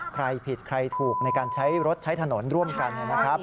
ใครผิดใครถูกในการใช้รถใช้ถนนร่วมกันนะครับ